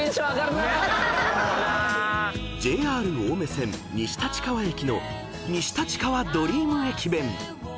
［ＪＲ青梅線西立川駅の西立川ドリーム駅弁］